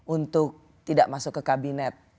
untuk tidak masuk ke kabinet